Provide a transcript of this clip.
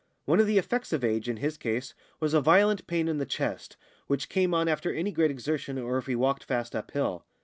One of the effects of age, in his case, was a violent pain in the chest, which came on after any great exertion or if he walked fast uphill.